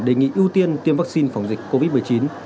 đề nghị ưu tiên tiêm vaccine phòng dịch covid một mươi chín